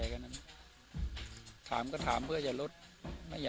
วันนี้ก็จะเป็นสวัสดีครับ